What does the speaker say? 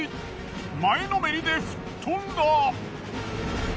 前のめりで吹っ飛んだ！